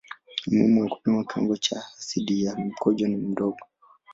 Umuhimu wa kupima kiwango cha asidi ya mkojo ni mdogo.